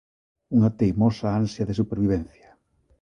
Unha teimosa ansia de supervivencia.